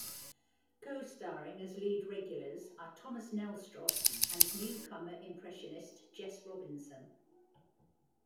Co-starring as lead regulars are Thomas Nelstrop and newcomer impressionist Jess Robinson.